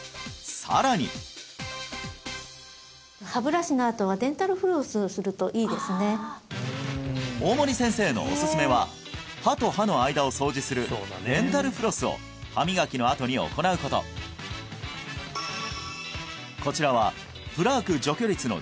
さらに大森先生のおすすめは歯と歯の間を掃除をするデンタルフロスを歯磨きのあとに行うことこちらはプラーク除去率の